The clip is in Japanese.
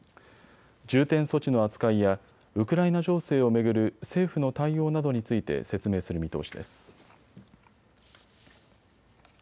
重点措置の扱いやウクライナ情勢を巡る政府の対応などについて説明する見通しです。